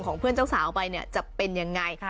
ของเพื่อนเจ้าสาวไปจะเป็นอย่างไร